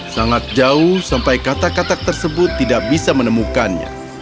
sangat jauh sampai kata katak tersebut tidak bisa menemukannya